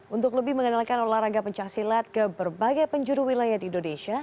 untuk lebih mengenalkan olahraga pencaksilat ke berbagai penjuru wilayah di indonesia